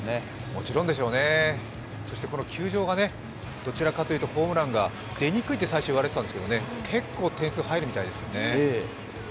もちろんでしょうね、球場がどちらかというとホームランが出にくいと最初言われてたんですけど、結構点数入るみたいですね。